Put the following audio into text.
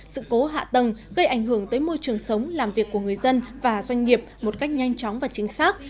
sự cố hạ tầng gây ảnh hưởng tới môi trường sống làm việc của người dân và doanh nghiệp một cách nhanh chóng và chính xác